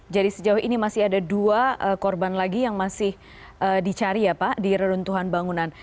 jadi sejauh ini masih ada dua korban lagi yang masih dicari ya pak di reruntuhan bangunan